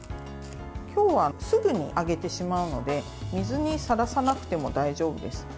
今日は、すぐに揚げてしまうので水にさらさなくても大丈夫です。